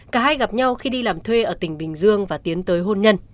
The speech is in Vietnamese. cả hai gặp nhau khi đi làm thuê ở tỉnh bình dương và tiến tới hôn nhân